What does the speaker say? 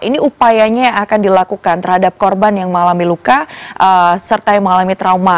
ini upayanya yang akan dilakukan terhadap korban yang mengalami luka serta yang mengalami trauma